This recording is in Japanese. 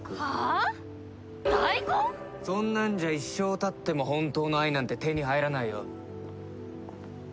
そんなんじゃ一生経っても本当の愛なんて手に入らないよ。